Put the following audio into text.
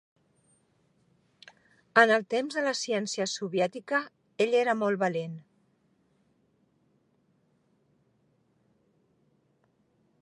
En els temps de la ciència soviètica ell era molt valent.